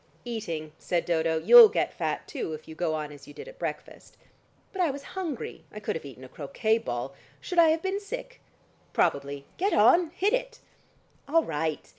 "Eating," said Dodo. "You'll get fat, too, if you go on as you did at breakfast." "But I was hungry. I could have eaten a croquet ball. Should I have been sick?" "Probably. Get on! Hit it!" "All right.